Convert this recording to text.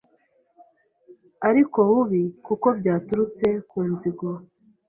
ariko bubi kuko byaturutse ku nzigo.